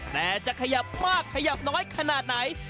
แต่จะขยับมากขยับน้อยขนาดไหน